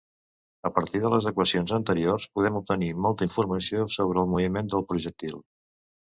A partir de les equacions anteriors podem obtenir molta informació sobre el moviment del projectil.